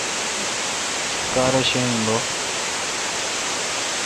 کار ے شہ این بو۔